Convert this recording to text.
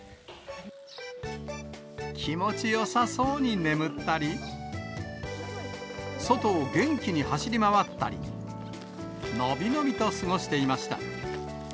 気持ちよさそうに眠ったり、外を元気に走り回ったり、伸び伸びと過ごしていました。